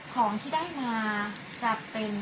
ของที่ได้มาจะเป็น